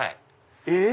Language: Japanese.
えっ⁉